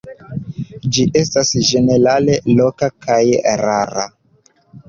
Ĝi estas ĝenerale loka kaj rara.